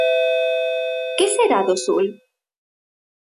Que será do Sol?